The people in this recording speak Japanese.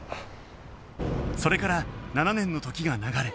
それから７年の時が流れ